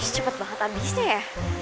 cepet banget habisnya ya